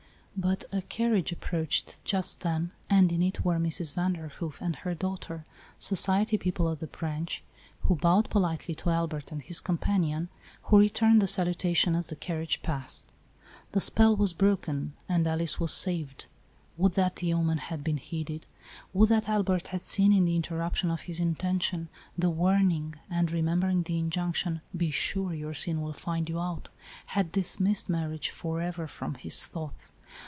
But a carriage approached just then, and in it were Mrs. Vanderhoof and her daugh ter, society people at the Branch, who bowed po litely to Albert and his companion, who returned the salutation as the carriage passed. The spell was broken and Alice was saved. Would that the omen had been heeded. Would that Albert had seen, in the interruption of his intention, the warning, and, remembering the in junction, " Be sure your sin will find you out," had dismissed marriage, forever, from his thoughts.